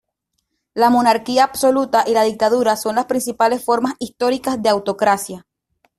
La monarquía absoluta y la dictadura son las principales formas históricas de autocracia.